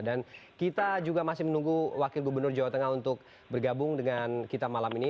dan kita juga masih menunggu wakil gubernur jawa tengah untuk bergabung dengan kita malam ini